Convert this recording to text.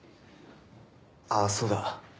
ああそうだ。